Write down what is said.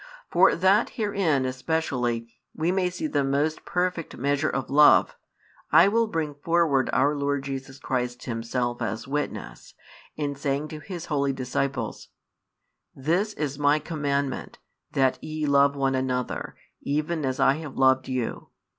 For that herein especially we may see the most perfect measure of love, I will bring forward our Lord Jesus Christ Himself as witness, in saying to His holy disciples: This is My commandment, that ye love one another, even as I have loved you.